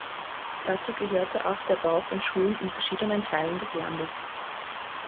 Dazu gehörte auch der Bau von Schulen in verschiedenen Teilen des Landes.